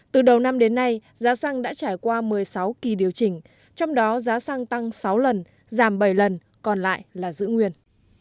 từ đầu năm đến nay giá xăng đã trải qua một mươi sáu kỳ điều chỉnh trong đó giá xăng tăng sáu lần giảm bảy lần còn lại là giữ nguyên